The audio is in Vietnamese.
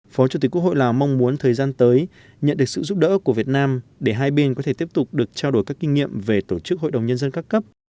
phó chủ tịch quốc hội lào mong muốn thời gian tới nhận được sự giúp đỡ của việt nam để hai bên có thể tiếp tục được trao đổi các kinh nghiệm về tổ chức hội đồng nhân dân các cấp